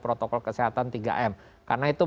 protokol kesehatan tiga m karena itu